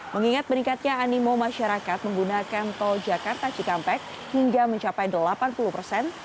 mengingat meningkatnya animo masyarakat menggunakan tol jakarta cikampek hingga mencapai delapan puluh persen